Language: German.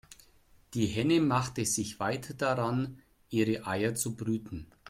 Die Henne machte sich weiter daran, ihre Eier zu brüten.